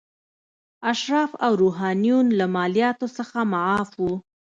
اشراف او روحانیون له مالیاتو څخه معاف وو.